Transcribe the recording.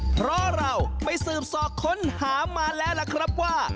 เพราะเราไปสืบสอกค้นหามาแล้วล่ะครับว่า